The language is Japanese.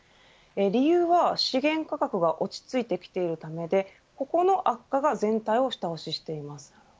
理由は資源価格が落ち着いてきているためでここの悪化が全体を下押ししています。